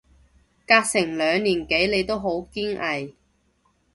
隔成兩年幾你都好堅毅